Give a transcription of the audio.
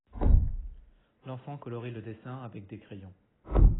L’enfant colorie le dessin avec des crayons.